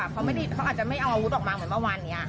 เขาอาจจะไม่เอาอาวุธออกมาเหมือนเมื่อวานนี้